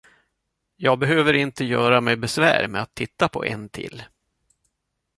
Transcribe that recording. Jag behöver inte göra mig besvär med att titta på en till.